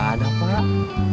oh yaudah makasih